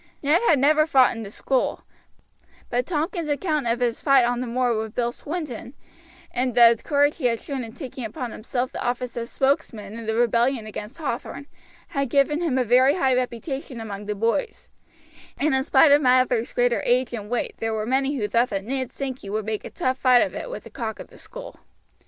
Ned had never fought in the school, but Tompkins' account of his fight on the moor with Bill Swinton, and the courage he had shown in taking upon himself the office of spokesman in the rebellion against Hathorn, had given him a very high reputation among the boys; and in spite of Mather's greater age and weight there were many who thought that Ned Sankey would make a tough fight of it with the cock of the school.